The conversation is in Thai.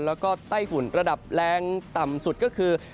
แล้วก็ไต้ฝุ่นระดับแรงต่ำสุดก็คือ